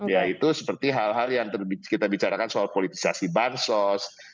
ya itu seperti hal hal yang kita bicarakan soal politisasi bansos